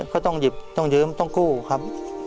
ก็ต้องหยิบต้องยืมต้องกู้ครับ